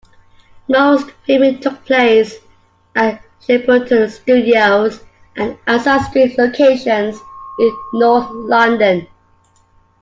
Most filming took place at Shepperton Studios and outside street locations in north London.